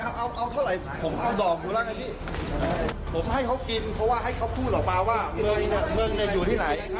ปากกับภาคภูมิ